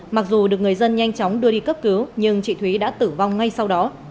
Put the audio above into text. mặc dù được người dân nhanh chóng đưa đi cấp cứu nhưng chị thúy đã tử vong ngay sau đó